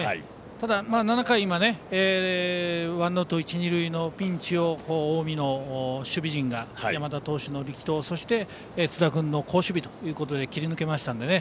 ただ、７回に今ワンアウト一、二塁のピンチを、近江の守備陣が山田投手の力投そして、津田君の好守備で切り抜けましたのでね。